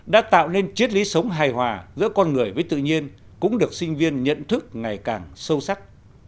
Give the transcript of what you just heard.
đã tạo nên chiết lý sống hài hòa giữa con người với tự nhiên cũng được sinh viên nhận thức ngày càng sâu sắc